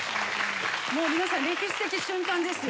もう皆さん歴史的瞬間ですよ。